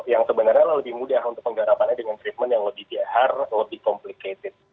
yang sebenarnya lebih mudah untuk penggarapannya dengan treatment yang lebih jahar lebih complicated